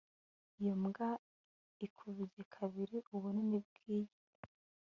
Iyo mbwa irikubye kabiri ubunini bwiyi